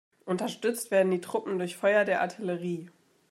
Unterstützt werden die Truppen durch Feuer der Artillerie.